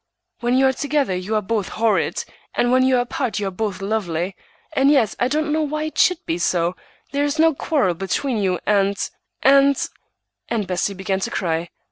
When you are together you are both horrid, and when you are apart you are both lovely. And yet I don't know why it should be so; there is no quarrel between you—and—and—" And Bessie began to cry.